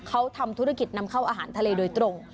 เขาทำธุรกิจนำเข้าอาหารทะเลโดยตรง